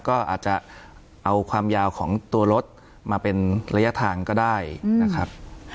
ก็อาจจะเอาความยาวของตัวรถมาเป็นระยะทางก็ได้นะครับ